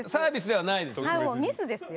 はいもうミスですよ。